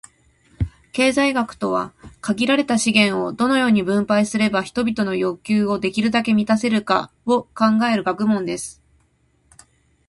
経済学とは、「限られた資源を、どのように分配すれば人々の欲求をできるだけ満たせるか」を考える学問です。